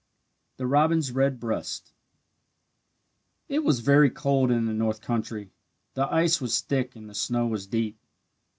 THE ROBIN'S RED BREAST It was very cold in the north country. The ice was thick and the snow was deep.